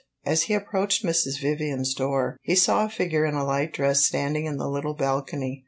As he approached Mrs. Vivian's door he saw a figure in a light dress standing in the little balcony.